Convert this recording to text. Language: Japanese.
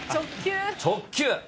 直球。